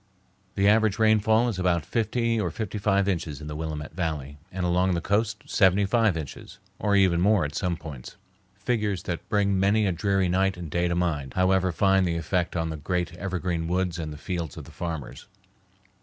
The average rainfall is about fifty or fifty five inches in the Willamette Valley, and along the coast seventy five inches, or even more at some points—figures that bring many a dreary night and day to mind, however fine the effect on the great evergreen woods and the fields of the farmers.